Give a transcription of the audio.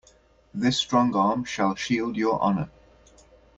This strong arm shall shield your honor.